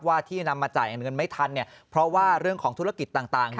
ที่นำมาจ่ายเงินไม่ทันเนี่ยเพราะว่าเรื่องของธุรกิจต่าง